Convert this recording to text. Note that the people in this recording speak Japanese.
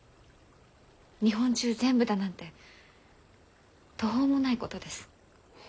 日本中全部だなんて途方もないことです。